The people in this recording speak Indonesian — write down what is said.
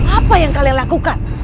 apa yang kalian lakukan